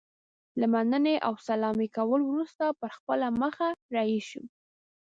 له مننې او سلامي کولو وروسته پر خپله مخه رهي شو.